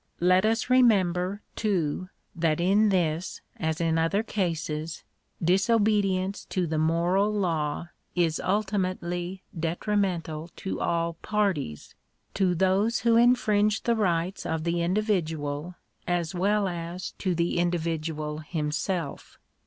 Let us remember, too, that in this, as in other cases, dis obedience to the moral law is ultimately detrimental to all parties — to those who infringe the rights of the individual as well as to the individual himself.